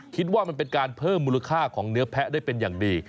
คิดว่ามันเป็นการเพิ่มมูลค่าของเนื้อแพะได้เป็นอย่างดี